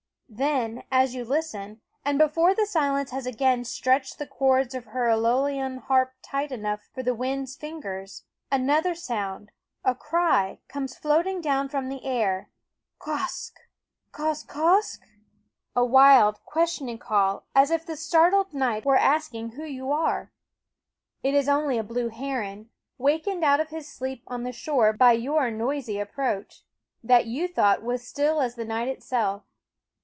Then, as you listen, and before the silence has again stretched the chords of her Eolian harp tight enough for the wind's fingers, another sound, a cry, comes floating down from the air Quoskh? quoskh quoskh? a wild, questioning call, as if the startled night were asking who 167 1 68 Quoskh Keen Eyed V SCHOOL OF you are. It is only a blue heron, wakened out of his sleep on the shore by your noisy approach, that you thought was still as the night itself.